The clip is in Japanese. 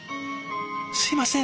すいません